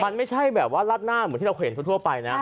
มันไม่ใช่แบบว่ารัดหน้าเหมือนที่เราเห็นทั่วไปนะ